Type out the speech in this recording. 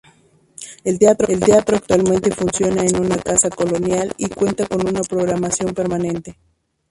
El teatro actualmente funciona en una casa colonial y cuenta con una programación permanente.